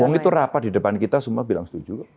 oh itu rapat di depan kita semua bilang setuju